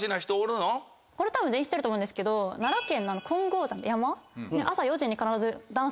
これ多分全員知ってると思うんですけど奈良県の。